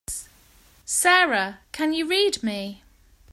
Sara can you read me?